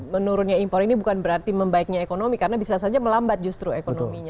menurunnya impor ini bukan berarti membaiknya ekonomi karena bisa saja melambat justru ekonominya